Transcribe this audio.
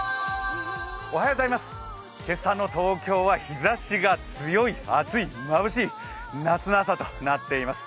今朝の東京は日ざしが強い、まぶしい、暑い夏の朝となっています。